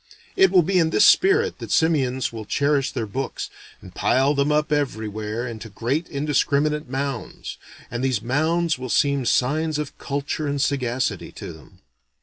It will be in this spirit that simians will cherish their books, and pile them up everywhere into great indiscriminate mounds; and these mounds will seem signs of culture and sagacity to them.